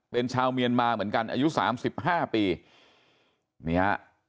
เป็นชาวเมียนมาเหมือนกันอายุสามสิบห้าปีนี่ฮะ